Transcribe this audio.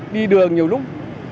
đi đường nhiều lúc